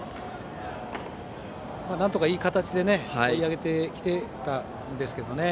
なんとかいい形で追い上げてきていたんですけどね。